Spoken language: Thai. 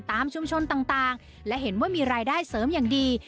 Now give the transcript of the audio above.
ตามชุมชนต่างและเห็นว่ามีรายได้เสริมอย่างดี